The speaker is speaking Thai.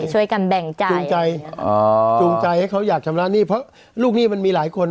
ช่วยกันแบ่งใจจูงใจจูงใจให้เขาอยากชำระหนี้เพราะลูกหนี้มันมีหลายคน